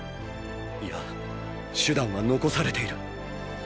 いや手段は残されている。